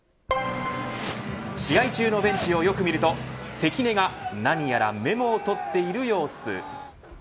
試合中のベンチをよく見ると関根が何やらメモを取っている様子。